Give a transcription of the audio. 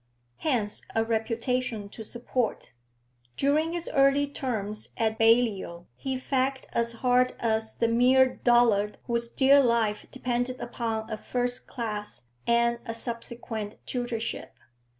Hence a reputation to support. During his early terms at Balliol he fagged as hard as the mere dullard whose dear life depended upon a first class and a subsequent tutorship.